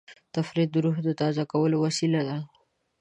تفریح د روح د تازه کولو وسیله ده.